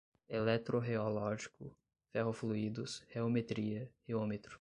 eletroreológico, ferrofluidos, reometria, reômetro